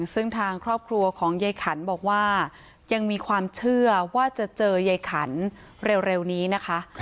ซึ่งทางครอบครัวของยายขันบอกว่ายังมีความเชื่อว่าจะเจอยายขันเร็วนี้นะคะ